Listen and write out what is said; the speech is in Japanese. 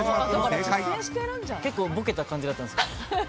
実はボケた感じだったんですけど。